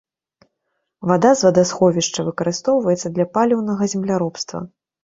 Вада з вадасховішча выкарыстоўваецца для паліўнага земляробства.